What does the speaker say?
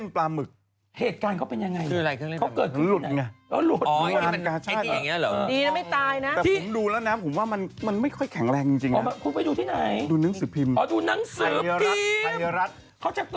ไปดูปลาหมึก